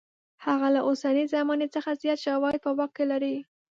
هغه له اوسنۍ زمانې څخه زیات شواهد په واک کې لري.